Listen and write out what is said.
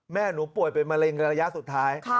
แม่หนูป่วยเป็นมะเร็งระยะสุดท้าย